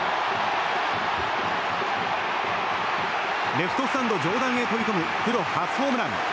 レフトスタンド上段へ飛び込むプロ初ホームラン！